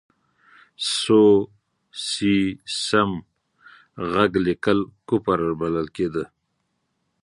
سو، سي، سم، ږغ لیکل کفر بلل کېده.